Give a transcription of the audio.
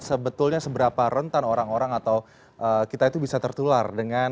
sebetulnya seberapa rentan orang orang atau kita itu bisa tertular dengan